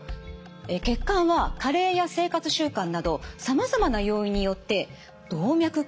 血管は加齢や生活習慣などさまざまな要因によって動脈硬化を起こします。